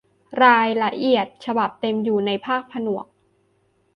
รายละเอียดฉบับเต็มอยู่ในภาคผนวก